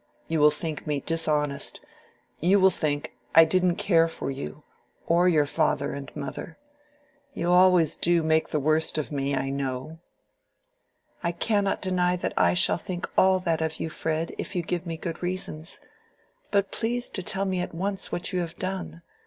You will think me dishonest. You will think I didn't care for you, or your father and mother. You always do make the worst of me, I know." "I cannot deny that I shall think all that of you, Fred, if you give me good reasons. But please to tell me at once what you have done.